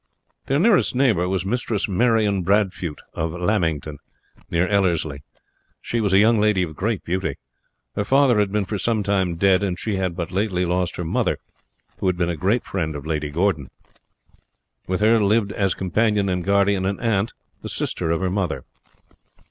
Their nearest neighbour was Mistress Marion Bradfute of Lamington, near Ellerslie. She was a young lady of great beauty. Her father had been for some time dead, and she had but lately lost her mother, who had been a great friend of Lady Gordon. With her lived as companion and guardian an aunt, the sister of her mother.